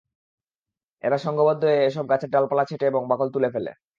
এরা সংঘবদ্ধ হয়ে এসব গাছের ডালপালা ছেঁটে এবং বাকল তুলে ফেলে।